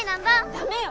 ダメよ！